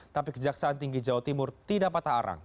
tapi kejaksaan tinggi jawa timur tidak patah arang